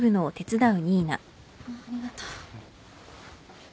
ありがとう。